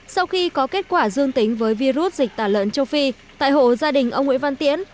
sau khi có kết quả dương tính với virus dịch tả lợn châu phi tại hộ gia đình ông nguyễn văn tiễn